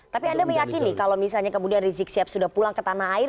tapi anda meyakini kalau misalnya kemudian rizik sihab sudah pulang ke tanah air